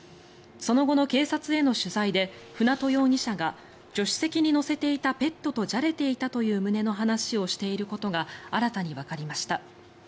その後の警察への取材で舟渡容疑者が助手席に乗せていたペットとじゃれていたという旨の話をしていることが新たにわかりました。